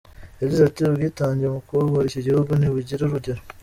Yagize ati “Ubwitange mu kubohora iki gihugu ntibugira urugero.